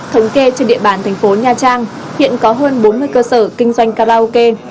thống kê trên địa bàn thành phố nha trang hiện có hơn bốn mươi cơ sở kinh doanh karaoke